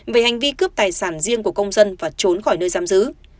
về hành vi cướp tài sản riêng của công dân và trốn khỏi nơi giam giữ